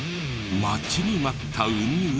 待ちに待ったウミウ。